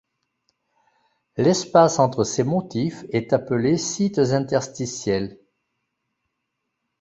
L'espace entre ces motifs est appelé sites interstitiels.